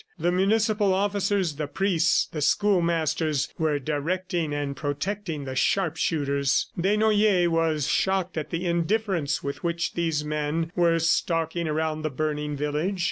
The municipal officers, the priests, the schoolmasters were directing and protecting the sharpshooters. Desnoyers was shocked at the indifference with which these men were stalking around the burning village.